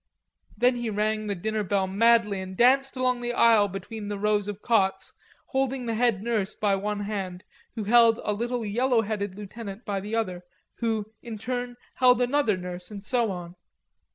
Then he rang the dinner bell madly and danced along the aisle between the rows of cots, holding the head nurse by one hand, who held a little yellow headed lieutenant by the other hand, who, in turn, held another nurse, and so on.